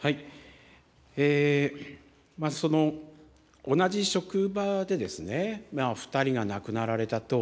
まず、その同じ職場で２人が亡くなられたと。